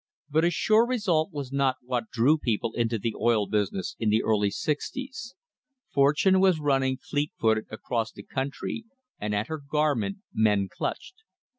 But a sure result was not what drew people into the oil business in the early sixties. Fortune was running fleet footed across the country, and at her garment men clutched.